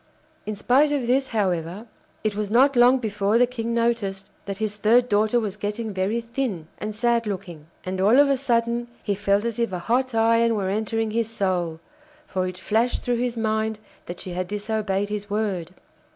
In spite of this, however, it was not long before the King noticed that his third daughter was getting very thin and sad looking. And all of a sudden he felt as if a hot iron were entering his soul, for it flashed through his mind that she had disobeyed his word.